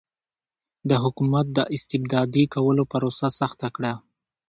د حکومت د استبدادي کولو پروسه سخته کړه.